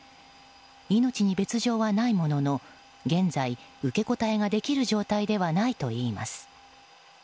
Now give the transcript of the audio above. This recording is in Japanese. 命に別条はないものの現在、受け答えができる状態ではないといいます。